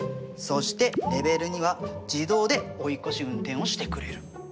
そしてレベル２は自動で追い越し運転をしてくれる。